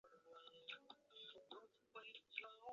勒沙特列人口变化图示